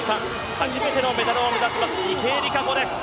初めてのメダルを目指します池江璃花子です。